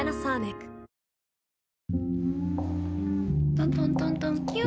トントントントンキュ。